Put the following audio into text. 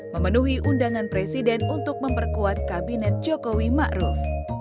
memenuhi undangan presiden untuk memperkuat kabinet jokowi ma'ruf